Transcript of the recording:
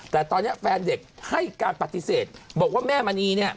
แต่ตอนนี้แฟนเด็กให้การปฏิเสธบอกว่าแม่มณีเนี่ย